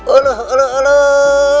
eluh eluh eluh